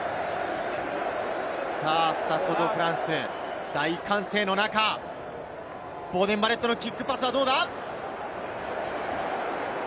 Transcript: スタッド・ド・フランス、大歓声の中、ボーデン・バレットのキックパスはどうだ？